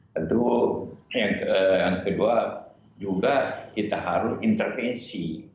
tentu yang kedua juga kita harus intervensi